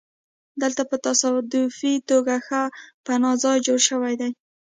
دلته په تصادفي توګه ښه پناه ځای جوړ شوی دی